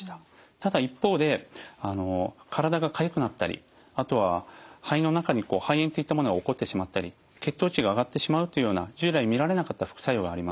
ただ一方で体がかゆくなったりあとは肺の中に肺炎といったものが起こってしまったり血糖値が上がってしまうというような従来見られなかった副作用があります。